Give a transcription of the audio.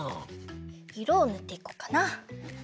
いろをぬっていこうかな。